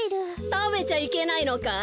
たべちゃいけないのかい？